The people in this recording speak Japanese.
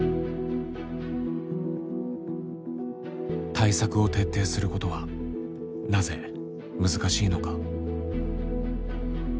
対策を徹底することはなぜ難しいのか。